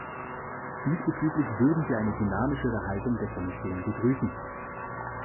Diesbezüglich würden wir eine dynamischere Haltung der Kommission begrüßen.